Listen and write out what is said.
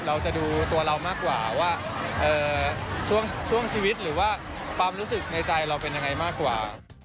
เราจะดูตัวเรามากกว่าว่าช่วงชีวิตหรือว่าความรู้สึกในใจเราเป็นยังไงมากกว่า